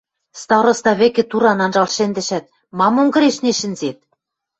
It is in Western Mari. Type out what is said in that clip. Староста вӹкӹ туран анжал шӹндӹшӓт: – Мам онгырешнен шӹнзет?!